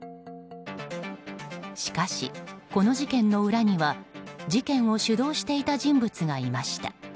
しかし、この事件の裏には事件を主導していた人物がいました。